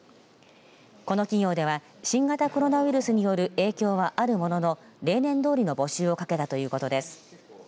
この企業では新型コロナウイルスによる影響はあるものの例年どおりの募集をかけたということです。